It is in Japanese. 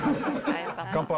乾杯！